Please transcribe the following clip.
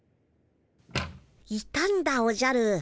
いたんだおじゃる。